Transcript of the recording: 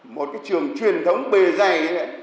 một trường truyền thống bề dày